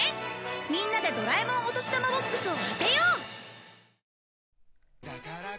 みんなでドラえもんお年玉ＢＯＸを当てよう！